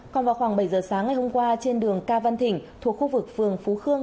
còn vào khoảng bảy giờ sáng ngày hôm qua trên đường cao văn thỉnh thuộc khu vực phường phú khương